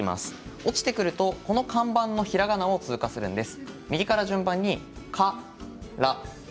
落ちてくると看板がひらがなを通過するんです。